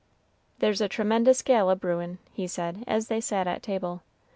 "There's a tremendous gale a brewin'," he said, as they sat at table.